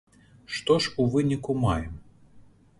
Што ж у выніку маем?